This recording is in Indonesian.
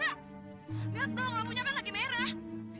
lihat dong lampunya kan lagi merah